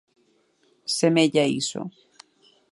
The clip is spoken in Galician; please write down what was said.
Semella iso.